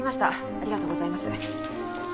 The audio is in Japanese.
ありがとうございます。